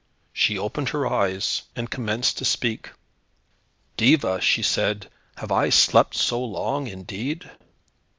She opened her eyes, and commenced to speak. "Diva," she said, "have I slept so long, indeed!"